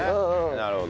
なるほど。